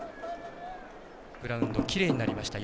グラウンドきれいになりました